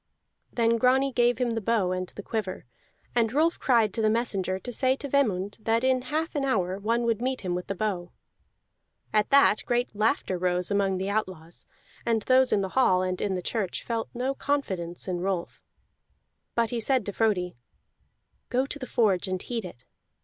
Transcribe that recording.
Then Grani gave him the bow and the quiver, and Rolf cried to the messenger to say to Vemund that in half an hour one would meet him with the bow. At that great laughter rose among the outlaws, and those in the hall and in the church felt no confidence in Rolf. But he said to Frodi, "Go to the forge and heat it."